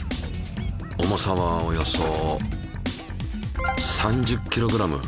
重さはおよそ３０ｋｇ。